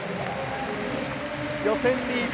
予選リーグ